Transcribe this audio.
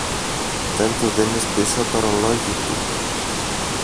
δεν του δίνεις πίσω τ' ωρολόγι του